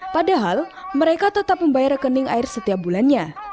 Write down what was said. padahal mereka tetap membayar rekening air setiap bulannya